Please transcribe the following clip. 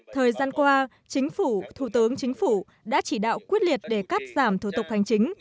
thời gian qua chính phủ thủ tướng chính phủ đã chỉ đạo quyết liệt để cắt giảm thủ tục hành chính